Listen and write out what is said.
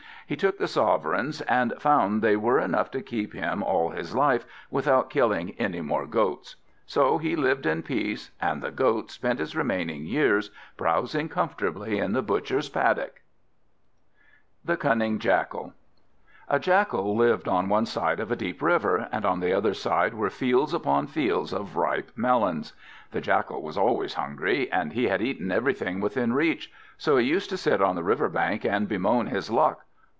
He took the sovereigns, and found they were enough to keep him all his life, without killing any more goats. So he lived in peace, and the Goat spent his remaining years browsing comfortably in the Butcher's paddock. The Cunning Jackal Or, The Biter Bit A JACKAL lived on one side of a deep river, and on the other side were fields upon fields of ripe melons. The Jackal was always hungry, and he had eaten everything within reach; so he used to sit on the river bank and bemoan his luck.